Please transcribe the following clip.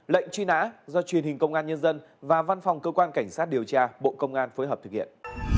lệnh truy nã do truyền hình công an nhân dân và văn phòng cơ quan cảnh sát điều tra bộ công an phối hợp thực hiện